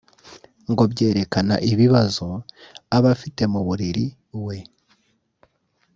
ngo byerekana ibibazo abafite mu mubiri we